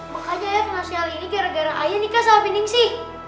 makanya ayah bawa sial ini gara gara ayah nikah sahabat ningsi